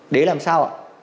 để làm sao ạ